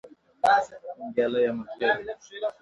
ننګیالی امیرخېل